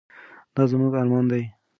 دا زموږ ارمان دی.